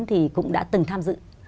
thì cũng đã từng tham dự